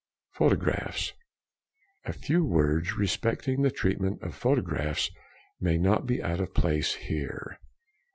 Photographs.—A few words respecting the treatment of photographs may not be out of place here.